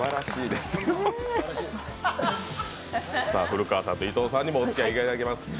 古川さんと依藤さんにもお付き合いいただきます。